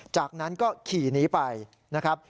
จากนั้นก็ขี่หนีไปนะครับ